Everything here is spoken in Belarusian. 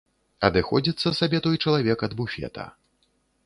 Адыходзіцца сабе той чалавек ад буфета.